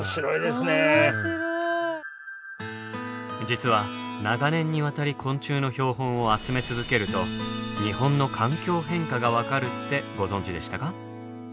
実は長年にわたり昆虫の標本を集め続けると日本の環境変化が分かるってご存じでしたか。